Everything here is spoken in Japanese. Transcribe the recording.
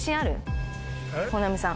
本並さん。